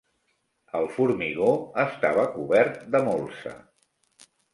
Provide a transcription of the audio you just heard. El formigó estava cobert de molsa.